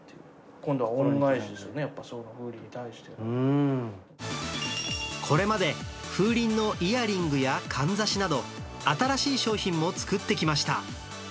今度は恩返しですよね、風鈴に対これまで風鈴のイヤリングやかんざしなど、新しい商品も作ってきました。